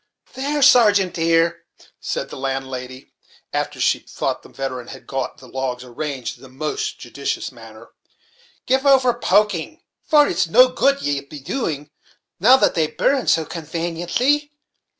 "There, sargeant, dear," said the landlady, after she thought the veteran had got the logs arranged in the most judicious manner, "give over poking, for it's no good ye'll be doing, now that they burn so convaniently.